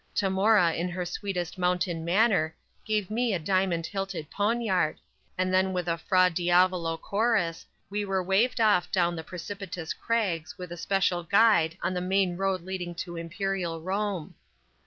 Tamora in her sweetest mountain manner gave me a diamond hilted poniard, and then with a Fra Diavolo chorus, we were waved off down the precipitous crags with a special guide on the main road leading to imperial Rome.